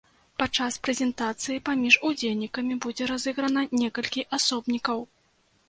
Падчас прэзентацыі паміж удзельнікамі будзе разыграна некалькі асобнікаў!